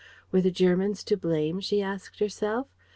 Were the Germans to blame, she asked herself?